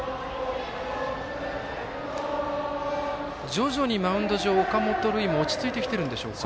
徐々にマウンド上、岡本琉奨も落ち着いてきているんでしょうか。